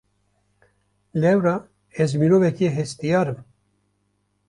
Lewra ez mirovekî hestiyar im.